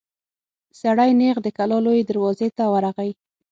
سړی نېغ د کلا لويي دروازې ته ورغی.